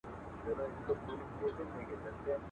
څه بې مالکه افغانستان دی !.